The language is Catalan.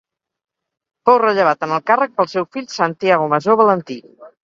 Fou rellevat en el càrrec pel seu fill Santiago Masó Valentí.